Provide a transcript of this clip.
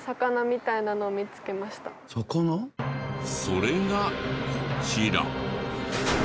それがこちら。